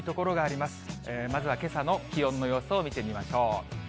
まずはけさの気温の様子を見てみましょう。